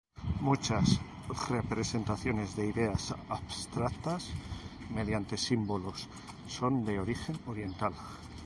Muchas representaciones de ideas abstractas mediante símbolos son de origen oriental.